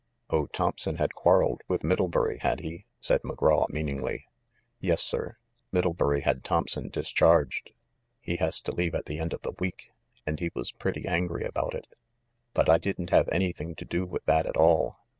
"Oh, Thompson had quarreled with Middlebury, had he ?" said McGraw meaningly. "Yes, sir. Middlebury had Thompson discharged. He has to leave at the end of the week, and he was pretty angry about it. But I didn't have anything to do with that at all.